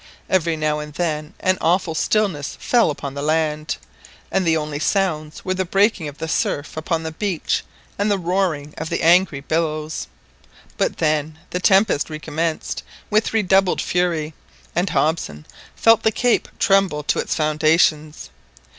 Every now and then an awful stillness fell upon the land, and the only sounds were the breaking of the surf upon the beach and the roaring of the angry billows; but then the tempest recommenced with redoubled fury, and Hobson felt the cape tremble to its foundations.